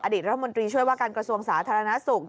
รัฐมนตรีช่วยว่าการกระทรวงสาธารณสุข